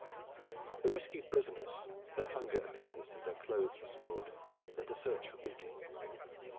The rescued prisoners, their hunger appeased and their clothes restored, led the search for booty.